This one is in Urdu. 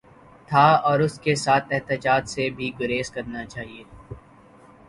تھا اور اس کے ساتھ احتجاج سے بھی گریز کرنا چاہیے۔